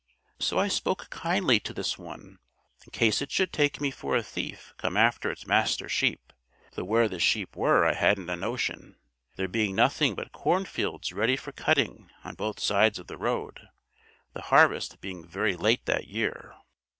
So I spoke kindly to this one, in case it should take me for a thief come after its master's sheep; though where the sheep were I hadn't a notion, there being nothing but cornfields ready for cutting on both sides of the road, the harvest being very late that year."